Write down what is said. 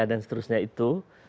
dan seterusnya itu